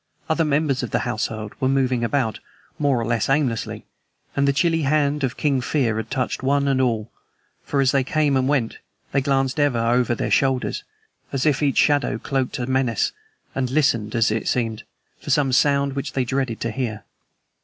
Other members of the household were moving about, more or less aimlessly, and the chilly hand of King Fear had touched one and all, for, as they came and went, they glanced ever over their shoulders, as if each shadow cloaked a menace, and listened, as it seemed, for some sound which they dreaded to hear.